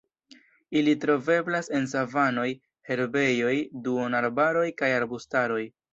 Ili troveblas en savanoj, herbejoj, duonarbaroj kaj arbustaroj.